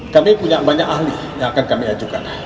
kami punya banyak ahli yang akan kami ajukan